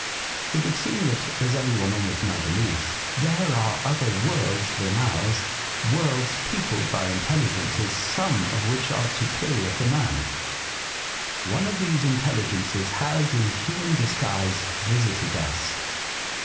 It would seem that (as every one almost now believes) there are other worlds than ours — worlds peopled by intelligences, some of which are superior to man. One of these intelligences has, in human disguise, visited us.